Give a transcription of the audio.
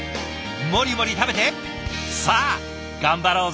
モリモリ食べてさあ頑張ろうぜ！